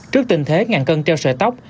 trước tình thế ngàn cân treo sợi tóc